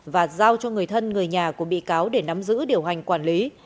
và giao cho người thân người nhà của bị cáo để nắm giữ điều hành quản lý